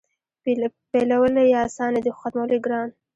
پیلول یې اسان دي خو ختمول یې ګران.